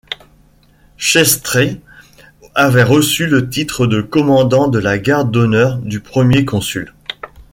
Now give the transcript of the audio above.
Chestret avait reçu le titre de commandant de la garde d’honneur du Premier Consul.